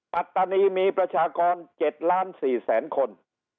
ปัตตานีมีประชากร๗๔๐๐๐๐๐คน